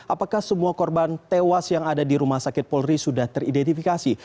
apakah semua korban tewas yang ada di rumah sakit polri sudah teridentifikasi